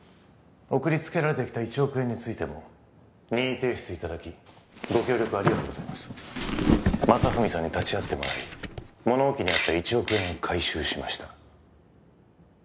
送りつけられてきた１億円についても任意提出いただきご協力ありがとうございます正文さんに立ち会ってもらい物置にあった１億円を回収しました